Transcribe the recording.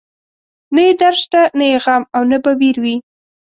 نه يې درد شته، نه يې غم او نه به وير وي